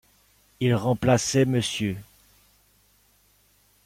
Il remplaçait Mr.